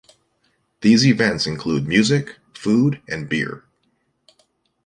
These events include music, food, and beer.